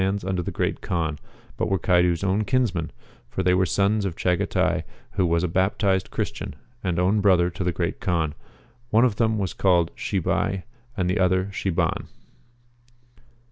who lieki kinds under the (ircat Kaan, but were Caidu's own kinsmen, for they were sons of Chagatai who was a baptized Christian, and own brother to the Great Kaan ; one of them was called Chibai, and the other Chiban.'